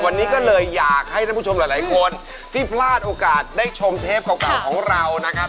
วันนี้ก็เลยอยากให้ท่านผู้ชมหลายคนที่พลาดโอกาสได้ชมเทปเก่าของเรานะครับ